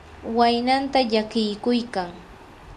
waynanta llakiykuykan.